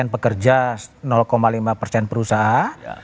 dua lima pekerja lima perusahaan